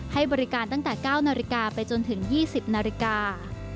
ให้บริการตั้งแต่๙นาฬิกาไปจนถึง๒๐นาฬิกา